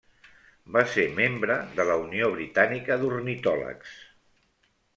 Va ser membre de la Unió Britànica d'Ornitòlegs.